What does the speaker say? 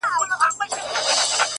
چي ته بېلېږې له خپل كوره څخه ـ